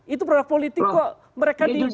itu produk politik kok mereka diubah